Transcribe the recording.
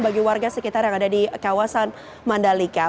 bagi warga sekitar yang ada di kawasan mandalika